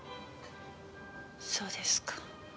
そうですか。